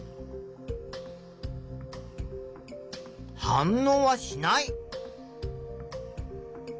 反応はしない。